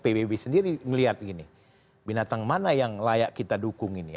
pbb sendiri ngelihat gini binatang mana yang layak kita dukung ini